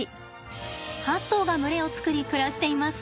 ８頭が群れを作り暮らしています。